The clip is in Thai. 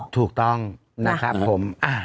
ถูกต้องนะครับผม